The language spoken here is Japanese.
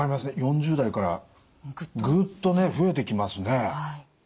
４０代からグッとね増えてきますね。